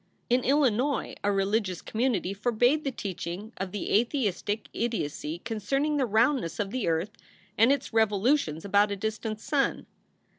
In Illinois, a religious community forbade the teaching of the atheistic idiocy concerning the roundness of the earth and its revolutions about a distant sun.